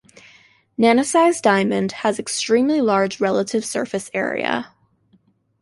Nanosized diamond has extremely large relative surface area.